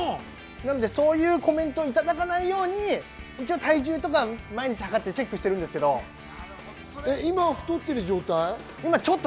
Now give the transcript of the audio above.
そういうコメントをいただかないように体重とか毎日計ってチェックしてるんですけど、今は太ってますね。